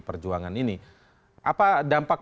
perjuangan ini apa dampak